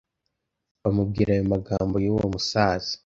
bamubwira ayo magambo y’uwo musaza